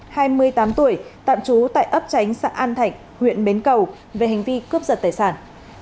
hai mươi tám tuổi tạm trú tại ấp tránh xã an thạnh huyện bến cầu về hành vi cướp giật tài sản